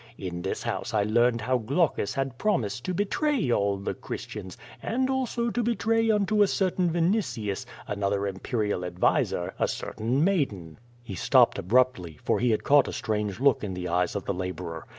In this house I learned how Glaucus had promised to betray all the Christians, and also to betray unto a certain Vinitius, another imperial adviser, a certain maiden —" He stopped abruptly, for he had caught a strange look in the eyes of the laborer.